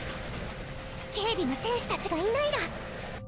警備の戦士たちがいないら。